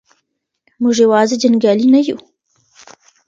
موږ یوازې جنګیالي نه یو.